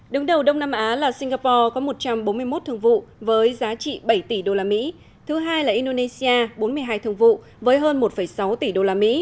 đứng đầu đông nam á là singapore có một trăm bốn mươi một thương vụ với giá trị bảy tỷ usd thứ hai là indonesia bốn mươi hai thương vụ với hơn một sáu tỷ usd